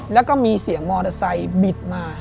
แล้วก็มีเสียงมอเตอร์ไซค์บิดมา